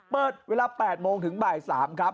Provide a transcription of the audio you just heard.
เปิดเวลา๘โมงถึงบ่าย๓ครับ